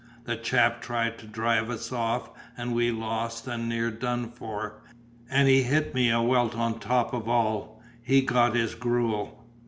The chap tried to drive us off, and we lost and near done for, and he hit me a welt on top of all. He got his gruel."